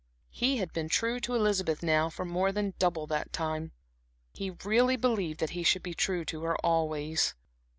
He had been true to Elizabeth, now, for more than double that time. He really believed that he should be true to her always.